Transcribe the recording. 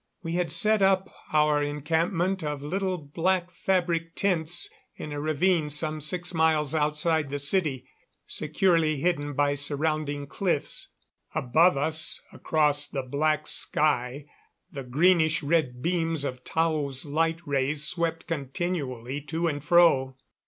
We had set up our encampment of little black fabric tents in a ravine some six miles outside the city, securely hidden by surrounding cliffs. Above us across the black sky the greenish red beams of Tao's light rays swept continually to and fro.